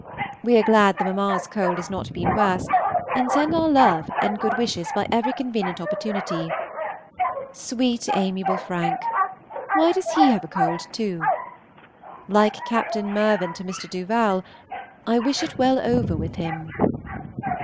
We are glad the mamma's cold has not been worse, and send her our love and good wishes by every convenient opportunity. Sweet, amiable Frank! why does he have a cold too? Like Captain Mirvan to Mr. Duval, "I wish it well over with him."